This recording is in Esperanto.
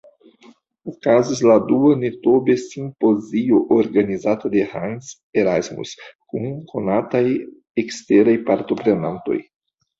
Okazis la dua Nitobe-simpozio, organizata de Hans Erasmus, kun konataj eksteraj partoprenantoj.